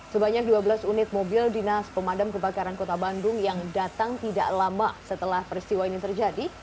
sebanyak dua belas unit mobil dinas pemadam kebakaran kota bandung yang datang tidak lama setelah peristiwa ini terjadi